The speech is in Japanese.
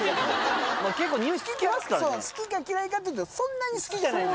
好きか嫌いかっていうとそんなに好きじゃないの。